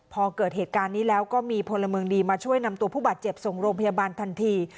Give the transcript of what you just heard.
พอเกิดเหตุการณ์นี้แล้วก็มีพลเมืองดีมาช่วยนำตัวผู้บาดเจ็บส่งโรงพยาบาลทันที